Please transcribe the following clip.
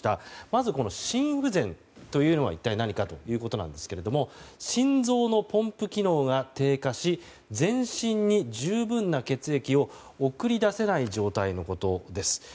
まず、心不全というのは一体何かということですけども心臓のポンプ機能が低下し全身に十分な血液を送り出せない状態のことです。